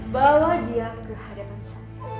bawa dia ke hadapan saya